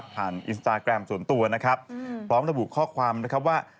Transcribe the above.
ผ่านอินสตาร์แกรมส่วนตัวพร้อมระบุข้อความว่า